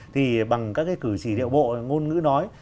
thì bằng các cái cử chỉ liệu bộ ngôn ngữ nói